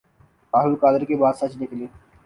طاہر القادری کی بات سچ نکلی ۔